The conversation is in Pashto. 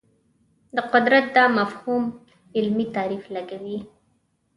د قدرت دا مفهوم علمي تعریف لګوي